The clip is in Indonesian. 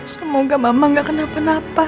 semoga mama gak kenapa kenapa